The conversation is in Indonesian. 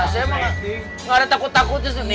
saya mah gak ada takut takutnya